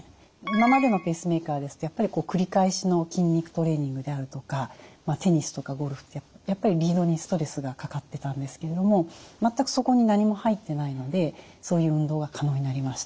今までのペースメーカーですとやっぱり繰り返しの筋肉トレーニングであるとかテニスとかゴルフってやっぱりリードにストレスがかかってたんですけれども全くそこに何も入ってないのでそういう運動が可能になりました。